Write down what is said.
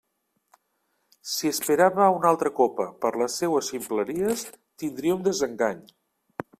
Si esperava una altra copa per les seues ximpleries, tindria un desengany!